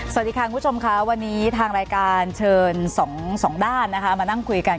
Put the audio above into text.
สวัสดีค่ะคุณผู้ชมค่ะวันนี้ทางรายการเชิญสองด้านนะคะมานั่งคุยกัน